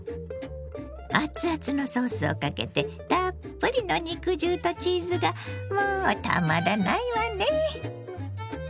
熱々のソースをかけてたっぷりの肉汁とチーズがもうたまらないわね！